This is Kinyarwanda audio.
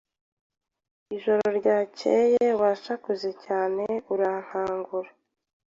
Ijoro ryakeye wasakuje cyane urankangura.